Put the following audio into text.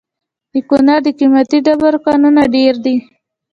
د کونړ د قیمتي ډبرو کانونه ډیر دي؟